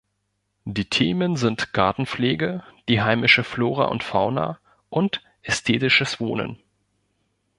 Die Themen sind Gartenpflege, die heimische Flora und Fauna und ästhetisches Wohnen.